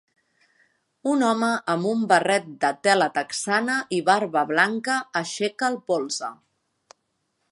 Un home amb un barret de tela texana i barba blanca aixeca el polze.